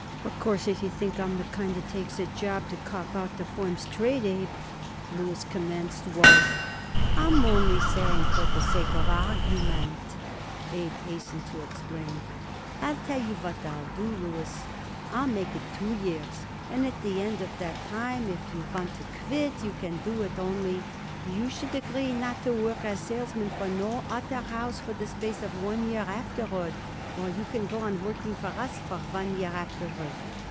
"Of course, if you think I'm the kind what takes a job to cop out the firm's trade, Abe," Louis commenced, "why " "I'm only saying for the sake of argument," Abe hastened to explain. "I'll tell you what I'll do, Louis: I'll make it two years, and at the end of that time if you want to quit you can do it; only, you should agree not to work as salesman for no other house for the space of one year afterward or you can go on working for us for one year afterward.